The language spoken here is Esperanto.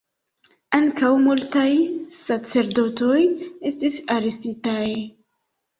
Ankaŭ multaj sacerdotoj estis arestitaj.